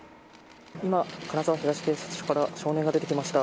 今、金沢東警察署から少年が出てきました。